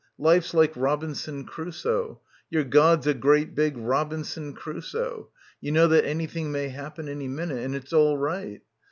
Life's like Robinson Cru soe. Your god's a great big Robinson Crusoe. You know that anything may happen any minute. And it's all right.